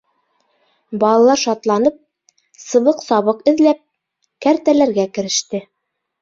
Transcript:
Балалар шатланып, сыбыҡ-сабыҡ эҙләп, кәртәләргә кереште.